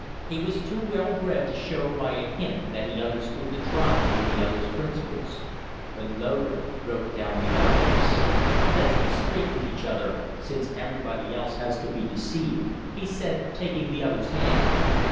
He was too well bred to show by a hint that he understood the drop in the other's principles. But Loder broke down the artifice. "Let's be straight with each other, since everybody else has to be deceived," he said, taking the other's hand.